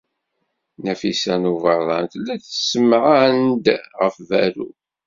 Nafisa n Ubeṛṛan tella tessemɛan-d ɣef berru.